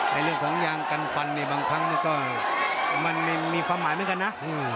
เรื่องของยางกันฟันนี่บางครั้งนี่ก็มันมีความหมายเหมือนกันนะ